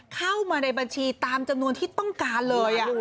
เข้ามาในบัญชีตามจำนวนที่ต้องการเลย